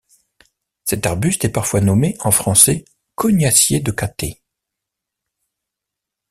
Cet arbuste est parfois nommé en français Cognassier de Cathay.